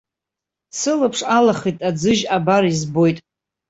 Сылаԥш алахеит аӡыжь, абар избоит.